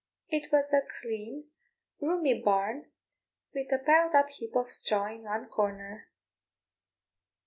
It was a clean, roomy barn, with a piled up heap of straw in one corner.